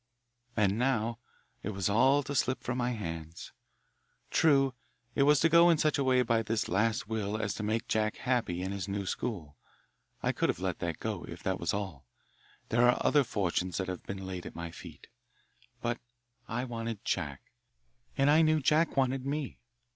"And now it was all to slip from my hands. True, it was to go in such a way by this last will as to make Jack happy in his new school. I could have let that go, if that was all. There are other fortunes that have been laid at my feet. But I wanted Jack, and I knew Jack wanted me.